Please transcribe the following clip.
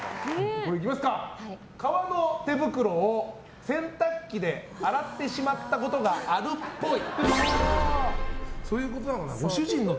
革の手袋を洗濯機で洗ってしまったことがあるっぽい。